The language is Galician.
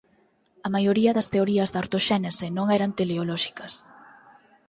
A maioría das teorías da ortoxénese non eran teleolóxicas.